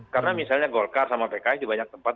karena misalnya golkar sama pks di banyak tempat